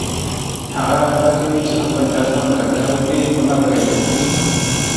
هغه هڅه کوي چي له خپل درد سره مقابله وکړي خو نه برياليږي